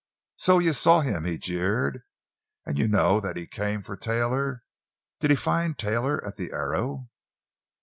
"So you saw him," he jeered; "and you know that he came for Taylor. Did he find Taylor at the Arrow?"